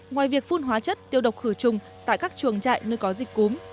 ngoài việc phun hóa chất tiêu độc khử trùng tại các chuồng trại nơi có dịch cúm